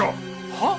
はあ！？